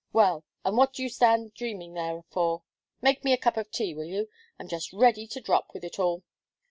Well! and what do you stand dreaming there for? Make me a cup of tea will you? I am just ready to drop with it all."